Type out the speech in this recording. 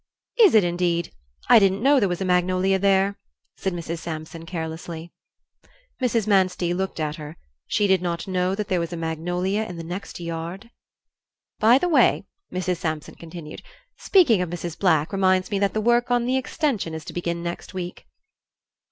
"Is it, indeed? I didn't know there was a magnolia there," said Mrs. Sampson, carelessly. Mrs. Manstey looked at her; she did not know that there was a magnolia in the next yard! "By the way," Mrs. Sampson continued, "speaking of Mrs. Black reminds me that the work on the extension is to begin next week."